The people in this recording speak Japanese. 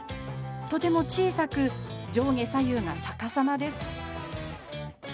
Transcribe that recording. とても小さく上下左右が逆さまです。